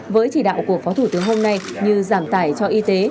với chỉ đạo của phó thủ tướng hôm nay như giảm tải cho y tế